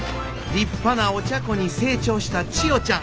立派なお茶子に成長した千代ちゃん。